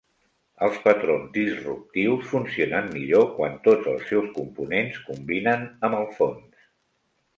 Els patrons disruptius funcionen millor quan tots els seus components combinen amb el fons.